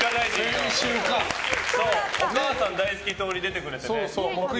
お母さん大好き党に出てくれてね。